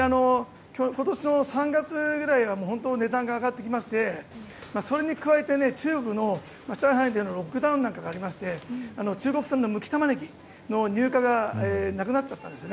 今年の３月ぐらいは本当に値段が上がっていましてそれに加えて、中国の上海でのロックダウンなんかがありまして中国産の剥きタマネギの入荷がなくなっちゃったんです。